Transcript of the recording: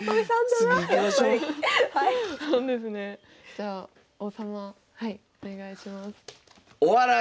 じゃあ王様はいお願いします。